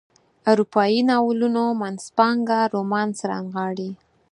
اروپایي ناولونو منځپانګه رومانس رانغاړي.